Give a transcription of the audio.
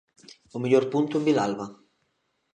O mellor punto en Vilalba.